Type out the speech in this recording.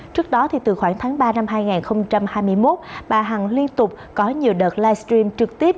trước đó từ khoảng tháng ba năm hai nghìn hai mươi một bà hằng liên tục có nhiều đợt livestream trực tiếp